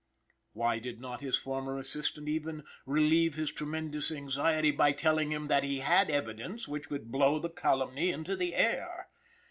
Why did not his former assistant even relieve his tremendous anxiety by telling him that he had evidence which would blow the calumny into the air?